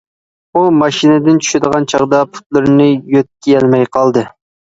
ئۇ ماشىنىدىن چۈشىدىغان چاغدا پۇتلىرىنى يۆتكىيەلمەي قالدى.